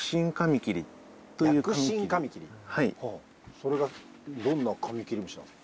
それがどんなカミキリムシなんですか？